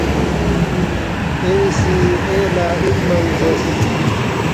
“ اے سی اے لہ اِنمنگ زیرس